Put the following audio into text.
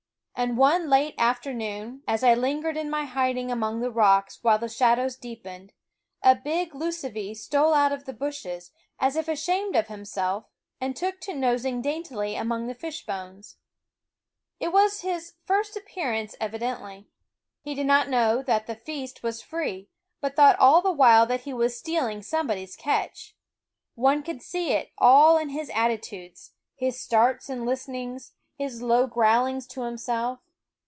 And one late afternoon, as I lingered in my hiding among the rocks while the shadows deepened, a big lucivee stole out of the bushes, as if ashamed of himself, and took to nosing daintily among the fish bones. It was his first appearance, evidently. He did not know that the feast was free, but thought all the while that he was stealing somebody's catch. One could see it all in THE WOODS 9 his attitudes, his starts and listenings, his low growlings to himself.